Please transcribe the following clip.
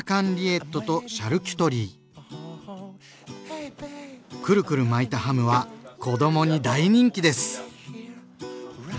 前菜はクルクル巻いたハムは子どもに大人気です！